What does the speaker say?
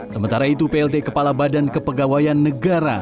sementara itu plt kepala badan kepegawaian negara